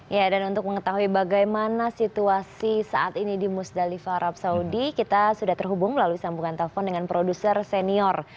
ya dan untuk mengetahui bagaimana situasi saat ini di musdalifah arab saudi kita sudah terhubung melalui sambungan telepon dengan produser senior